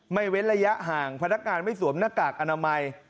เว้นระยะห่างพนักงานไม่สวมหน้ากากอนามัย